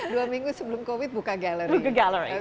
dua minggu sebelum covid buka galeri